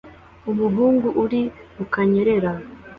Umuhungu uri ku kanyerera